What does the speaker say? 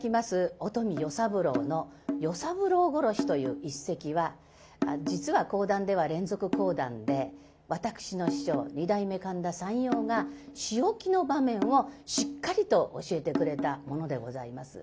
「お富与三郎」の「与三郎殺し」という一席は実は講談では連続講談で私の師匠二代目神田山陽が仕置きの場面をしっかりと教えてくれたものでございます。